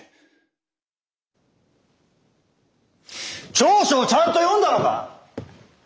調書をちゃんと読んだのか？